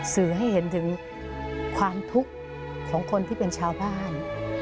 สื่อให้เห็นถึงความทุกข์ของคนที่เป็นชาวบ้าน